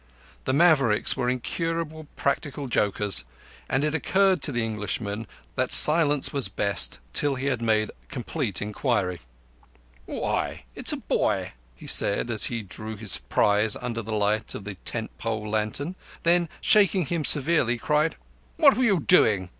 The Mavericks were incurable practical jokers; and it occurred to the Englishman that silence was best till he had made complete inquiry. "Why, it's a boy!" he said, as he drew his prize under the light of the tent pole lantern, then shaking him severely cried: "What were you doing?